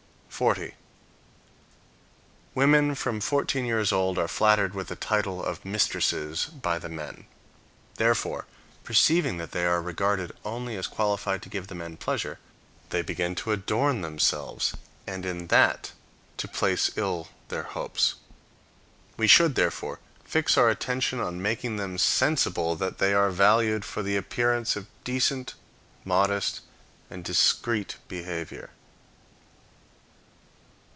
40. Women from fourteen years old are flattered with the title of "mistresses" by the men. Therefore, perceiving that they are regarded only as qualified to give the men pleasure, they begin to adorn themselves, and in that to place ill their hopes. We should, therefore, fix our attention on making them sensible that they are valued for the appearance of decent, modest and discreet behavior.